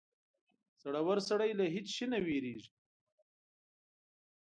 • زړور سړی له هېڅ شي نه وېرېږي.